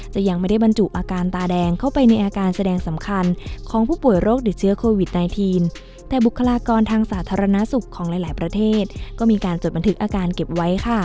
จะยังไม่ได้บรรจุอาการตาแดงเข้าไปในอาการแสดงสำคัญ